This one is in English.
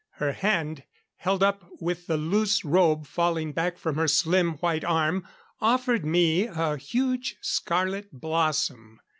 Her hand, held up with the loose robe falling back from her slim white arm, offered me a huge scarlet blossom.